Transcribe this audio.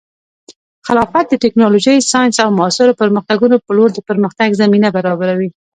خلافت د ټیکنالوژۍ، ساینس، او معاصرو پرمختګونو په لور د پرمختګ زمینه برابروي.